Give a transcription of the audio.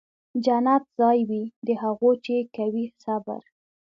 جنت ځای وي د هغو چي کوي صبر